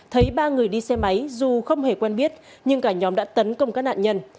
thấy ba người đi xe máy dù không hề quen biết nhưng cả nhóm đã tấn công các nạn nhân